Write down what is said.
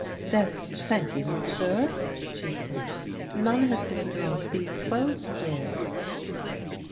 " There is plenty, monsieur," she said ;" none has been drunk these twelve years."